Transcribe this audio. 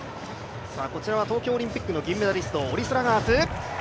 東京オリンピックの銀メダリスト・オリスラガース。